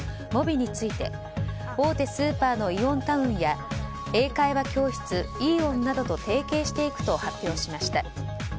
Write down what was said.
ｍｏｂｉについて大手スーパーのイオンタウンや英会話教室イーオンなどと提携していくと発表しました。